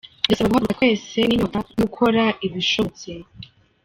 Birasaba guhaguruka twese n’ iyonka no gukora ibishobotse.